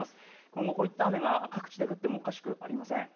今後、こういった雨が各地で降ってもおかしくありません。